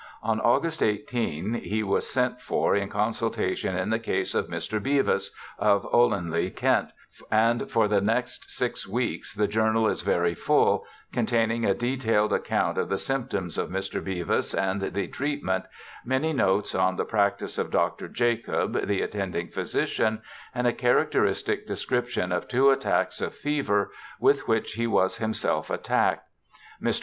On August 18 he was sent for in consultation in the case of Mr. Beavis, of Olanligh, Kent, and for the next six weeks the journal is very full, containing a detailed account of the symptoms of Mr. Beavis and the treat ment, many notes on the practice of Dr. Jacob, the attending physician, and a characteristic description of two attacks of fever with which he was himself attacked. Mr.